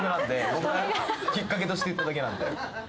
僕がきっかけとして言っただけなんで。